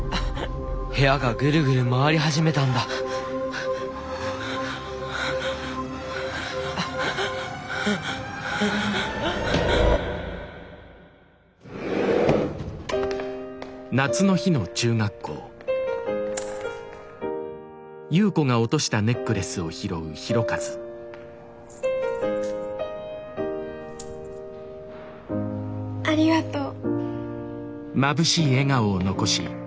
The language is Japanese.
部屋がぐるぐる回り始めたんだありがとう。